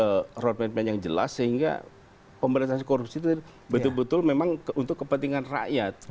ini role man man yang jelas sehingga pemberantasan korupsi itu betul betul memang untuk kepentingan rakyat